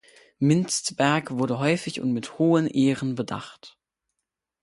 Mintzberg wurde häufig und mit hohen Ehren bedacht.